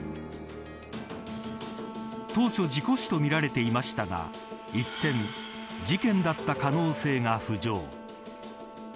当初、事故死とみられていましたが一転、事件だった可能性が浮上。